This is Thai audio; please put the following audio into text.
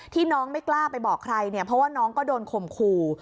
น้องไม่กล้าไปบอกใครเนี่ยเพราะว่าน้องก็โดนข่มขู่